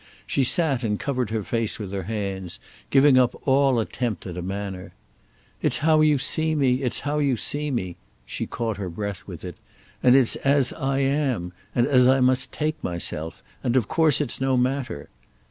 She sat and covered her face with her hands, giving up all attempt at a manner. "It's how you see me, it's how you see me"—she caught her breath with it—"and it's as I am, and as I must take myself, and of course it's no matter."